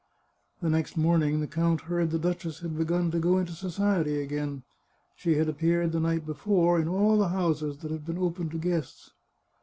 The next morning the count heard the duchess had begun to go into society again. She had appeared the night before in all the houses that had been open to guests.